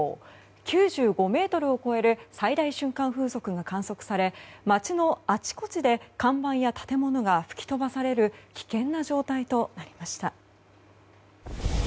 ９５メートルを超える最大瞬間風速が観測され街のあちこちで看板や建物が吹き飛ばされる危険な状態となりました。